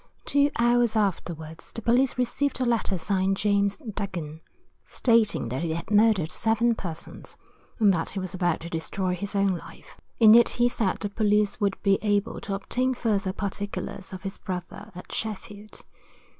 Two hours afterwards the police received a letter signed James Duggin, stating that he had murdered seven persons, and that he was about to destroy his own life. In it he said the police would be able to obtain further particulars of his brother at Sheffield.